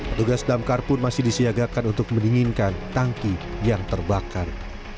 petugas damkar pun masih disiagakan untuk mendinginkan tangki yang terbakar